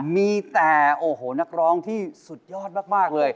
มีแต่โอ้โหนักร้องที่สุดยอดมากเลย